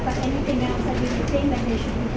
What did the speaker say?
พวกมันบอกว่าพวกมันต้องรักษาอินเตอร์